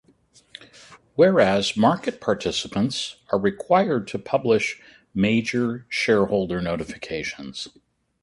Whereas market participants are required to publish major shareholder notifications.